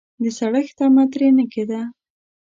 د سړښت تمه ترې نه کېده.